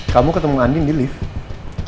kamu ketemu andin di lift